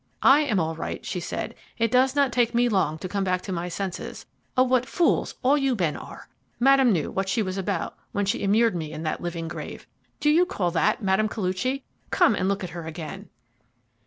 "I am all right," she said. "It does not take me long to come back to my senses. Oh, what fools all you men are! Madame knew what she was about when she immured me in that living grave. Do you call that Mme. Koluchy? Come and look at her again."